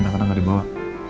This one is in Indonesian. nanti nanti gak dibawa